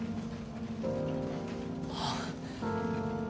あっ。